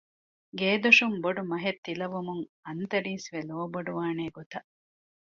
ގޭދޮށުން ބޮޑުމަހެއް ތިލަވުމުން އަންތަރީސްވެ ލޯބޮޑުވާނޭ ގޮތަށް